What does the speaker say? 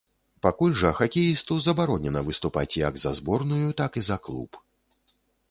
Пакуль жа хакеісту забаронена выступаць як за зборную, так і за клуб.